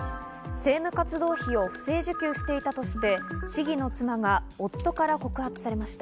政務活動費を不正受給していたとして市議の妻が夫から告発されました。